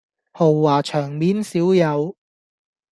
豪華場面少有